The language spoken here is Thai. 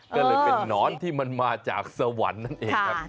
ก็เลยเป็นนอนที่มันมาจากสวรรค์นั่นเองครับ